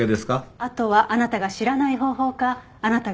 あとはあなたが知らない方法かあなたが隠している方法か。